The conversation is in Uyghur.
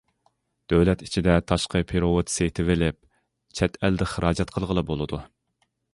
دۆلەت ئىچىدە تاشقى پېرېۋوت سېتىۋېلىپ، چەت ئەلدە خىراجەت قىلغىلى بولىدۇ.